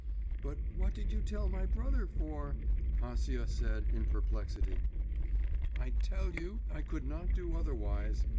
'But what did you tell my brother for?' Acia said, in perplexity. 'I tell you I could not do otherwise.